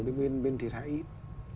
đến bên thiệt hại ít